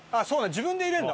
自分で入れるんだ。